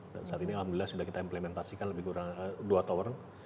dan saat ini alhamdulillah sudah kita implementasikan lebih kurang dua tower